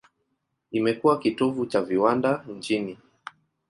Imekuwa kitovu cha viwanda nchini.